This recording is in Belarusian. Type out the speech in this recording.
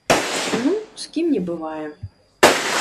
Ну, з кім не бывае.